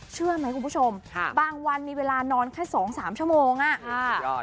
เชื่อไหมคุณผู้ชมบางวันมีเวลานอนแค่๒๓ชั่วโมงอ่ะ